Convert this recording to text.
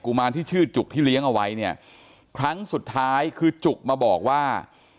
มารที่ชื่อจุกที่เลี้ยงเอาไว้เนี่ยครั้งสุดท้ายคือจุกมาบอกว่า